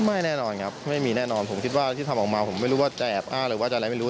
แน่นอนครับไม่มีแน่นอนผมคิดว่าที่ทำออกมาผมไม่รู้ว่าจะแอบอ้างหรือว่าจะอะไรไม่รู้